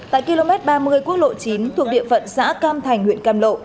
tại km ba mươi quốc lộ chín thuộc địa phận xã cam thành huyện cam lộ